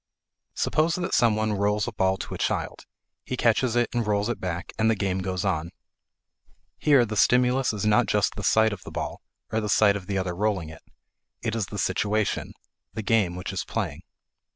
Suppose that some one rolls a ball to a child; he catches it and rolls it back, and the game goes on. Here the stimulus is not just the sight of the ball, or the sight of the other rolling it. It is the situation the game which is playing.